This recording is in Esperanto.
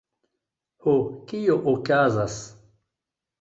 Ho, kio okazas?